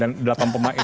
dan dua penyelesaian